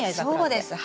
そうです。